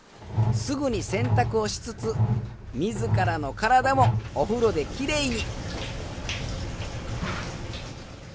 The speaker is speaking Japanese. すぐに洗濯をしつつ自らの体もお風呂できれいに。